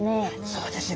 そうですね。